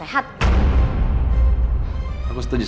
bisa semua sekali berdua